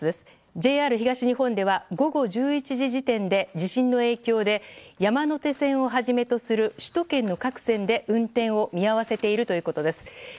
ＪＲ東日本では午後１１時時点で地震の影響で山手線をはじめとする首都圏の各線で運転を見合わせているということです。